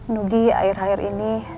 nugi akhir akhir ini